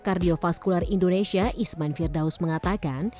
cardio vascular indonesia isman firdaus mengatakan